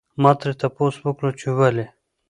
ما ترې تپوس وکړو چې ولې؟